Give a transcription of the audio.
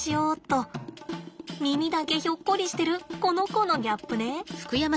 耳だけひょっこりしてるこの子のギャップね。